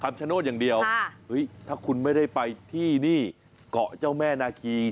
คำชโนธอย่างเดียวถ้าคุณไม่ได้ไปที่นี่เกาะเจ้าแม่นาคี